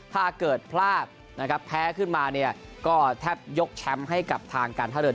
ถ้าเกิดพลาดนะครับแพ้ขึ้นมาเนี่ยก็แทบยกแชมป์ให้กับทางการท่าเรือ